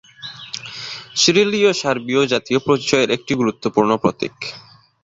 সিরিলীয় সার্বীয় জাতীয় পরিচয়ের একটি গুরুত্বপূর্ণ প্রতীক।